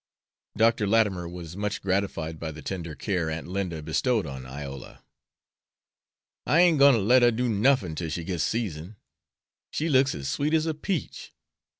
Dr. Latimer was much gratified by the tender care Aunt Linda bestowed on Iola. "I ain't goin' to let her do nuffin till she gits seasoned. She looks as sweet as a peach.